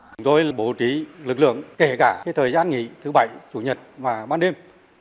chúng tôi bổ trí lực lượng kể cả thời gian nghỉ thứ bảy chủ nhật và ban đêm